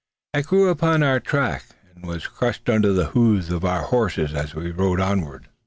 It grew upon our track, and was crushed under the hoofs of our horses as we rode onward.